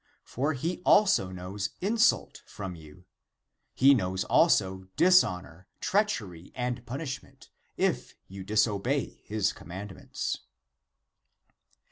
For he also knows insult from you, he knows also dishonor, treachery and punisment, if you disobey his commandments.